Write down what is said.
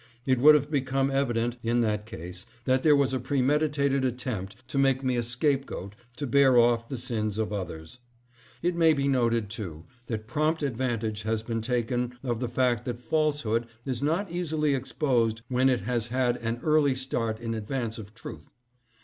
It would have become evident in that case that there was a premeditated attempt to make THE MOLE ST. NICOLAS. 729 me a scapegoat to bear off the sins of others. It may be noted, too, that prompt advantage has been taken of the fact that falsehood is not easily exposed when it has had an early start in advance of truth.